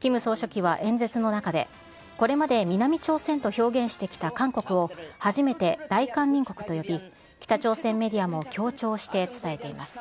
キム総書記は演説の中で、これまで南朝鮮と表現してきた韓国を、初めて大韓民国と呼び、北朝鮮メディアも強調して伝えています。